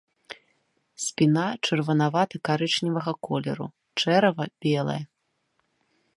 Спіна чырванавата-карычневага колеру, чэрава белае.